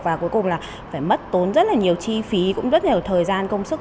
và cuối cùng là phải mất tốn rất là nhiều chi phí cũng rất là nhiều thời gian công sức